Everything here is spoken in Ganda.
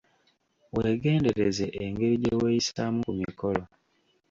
Weegendereze engeri gye weeyisaamu ku mikolo.